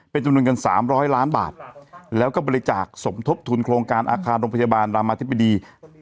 เป็นจำนวนเงิน๓๐๐ล้านบาทแล้วก็บริจาคสมทบทุนโครงการอาคารโรงพยาบาลรามาธิบดี